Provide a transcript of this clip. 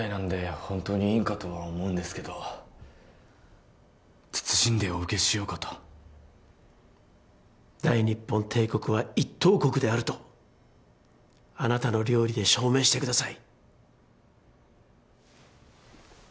本当にいいんかとは思うんですけど謹んでお受けしようかと大日本帝国は一等国であるとあなたの料理で証明してください